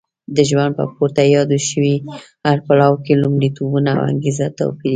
د ژوند په پورته یاد شوي هر پړاو کې لومړیتوبونه او انګېزه توپیر کوي.